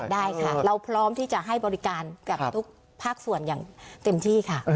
ได้ค่ะเราพร้อมที่จะให้บริการกับทุกภาคส่วนอย่างเต็มที่ค่ะ